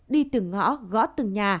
đi từng ngõ gõ từng nhà